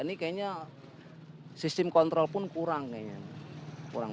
ini kayaknya sistem kontrol pun kurang kayaknya